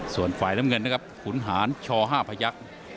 ส่วนฝ่ายน้ำเงินนะครับขุนหารช๕พยักษ์